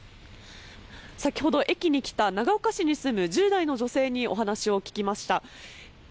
先ほど、駅に来た長岡市に住む１０代の女性にお話を聞きました。